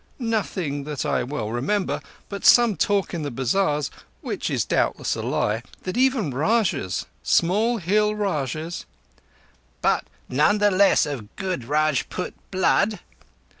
"Nothing that I well remember, but some talk in the bazars, which is doubtless a lie, that even Rajahs—small Hill Rajahs—" "But none the less of good Rajput blood."